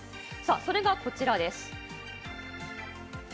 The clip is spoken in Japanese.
それがこちらです。